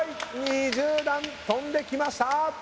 ２０段跳んできました。